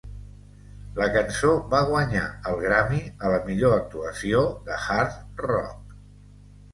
La cançó va guanyar el Grammy a la millor actuació de Hard Rock.